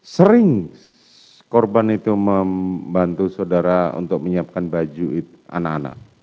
sering korban itu membantu saudara untuk menyiapkan baju anak anak